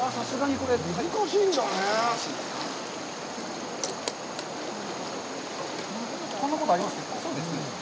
こんなことあります？